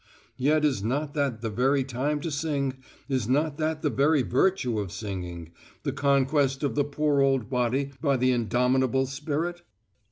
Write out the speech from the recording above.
Yet is not that the very time to sing, is not that the very virtue of singing, the conquest of the poor old body by the indomitable spirit?